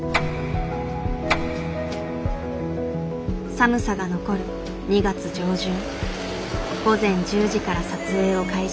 寒さが残る２月上旬午前１０時から撮影を開始。